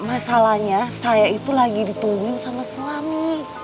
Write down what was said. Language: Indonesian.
masalahnya saya itu lagi ditungguin sama suami